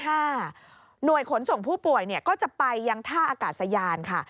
หน่วยขนส่งผู้ป่วยก็จะไปยังท่าอากาศยานค่ะ